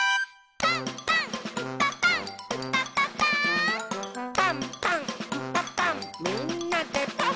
「パンパンんパパンみんなでパン！」